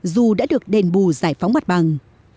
dù đã được đền bù giải phóng mặt bằng